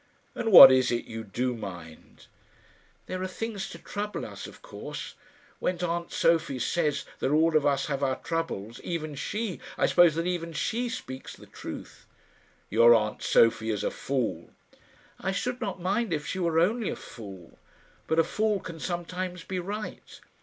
"And what is it you do mind?" "There are things to trouble us, of course. When aunt Sophie says that all of us have our troubles even she I suppose that even she speaks the truth." "Your aunt Sophie is a fool." "I should not mind if she were only a fool. But a fool can sometimes be right."